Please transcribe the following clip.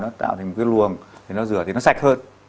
nó tạo thành cái luồng để nó rửa thì nó sạch hơn